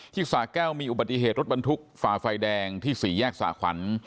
สาแก้วมีอุบัติเหตุรถบรรทุกฝ่าไฟแดงที่๔แยกสาขวัญ